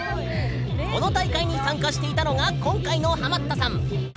この大会に参加していたのが今回のハマったさん。